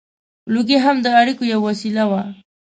• لوګی هم د اړیکو یوه وسیله وه.